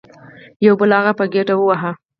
یو بل هغه په ګیډه وواهه.